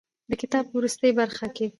د کتاب په وروستۍ برخه کې.